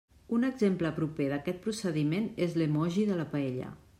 Un exemple proper d'aquest procediment és l'emoji de la paella.